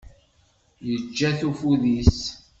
Yeǧǧa-t ufud-is.